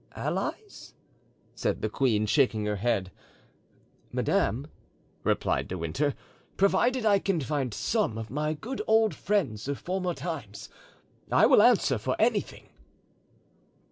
"Allies!" said the queen, shaking her head. "Madame," replied De Winter, "provided I can find some of my good old friends of former times I will answer for anything."